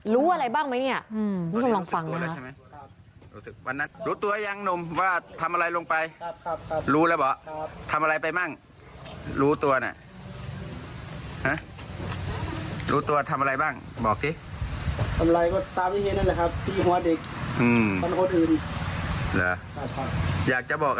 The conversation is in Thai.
รู้อะไรบ้างไหมนี่กำลังฟังนะครับ